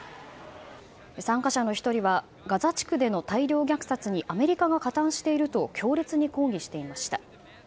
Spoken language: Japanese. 参加者の１人はガザ地区での大量虐殺にアメリカが加担していると強烈に抗議していました。